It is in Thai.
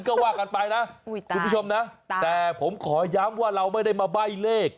ก็ว่ากันไปนะคุณผู้ชมนะแต่ผมขอย้ำว่าเราไม่ได้มาใบ้เลข